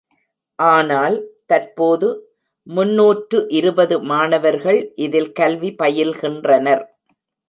ஆனால் தற்போது முன்னூற்று இருபது மாணவர்கள் இதில் கல்வி பயில்கின்றனர்.